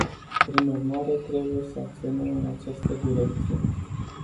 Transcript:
Prin urmare, trebuie să acționăm în această direcție.